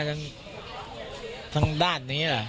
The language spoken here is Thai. นั่งรถเข้ามาทั้งด้านนี้